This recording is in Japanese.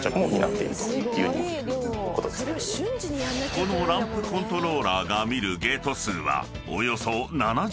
［このランプコントローラーが見るゲート数はおよそ７０カ所］